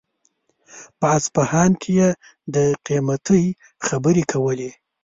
په اصفهان کې يې د قيمتۍ خبرې کولې.